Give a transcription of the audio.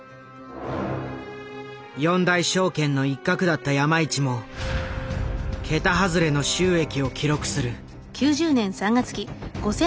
四大証券の一角だった山一も桁外れの収益を記録する。